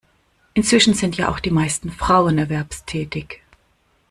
Inzwischen sind ja auch die meisten Frauen erwerbstätig.